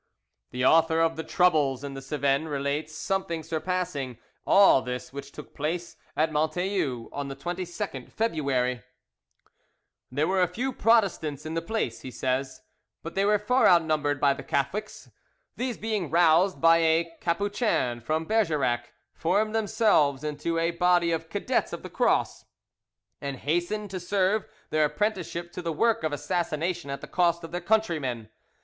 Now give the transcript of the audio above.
The author of The Troubles in the Cevennes relates something surpassing all this which took place at Montelus on the 22nd February "There were a few Protestants in the place," he says, "but they were far outnumbered by the Catholics; these being roused by a Capuchin from Bergerac, formed themselves into a body of 'Cadets of the Cross,' and hastened to serve their apprenticeship to the work of assassination at the cost of their countrymen.